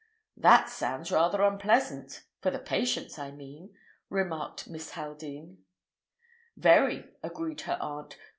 "That sounds rather unpleasant—for the patients, I mean," remarked Miss Haldean. "Very," agreed her aunt.